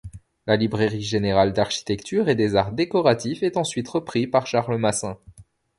La Librairie générale d'architecture et des arts décoratifs est ensuite reprise par Charles Massin.